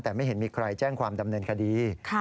แต่ไม่เห็นมีใครแจ้งความดำเนินคดี